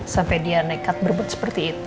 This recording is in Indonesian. sampai dia nekat berebut seperti itu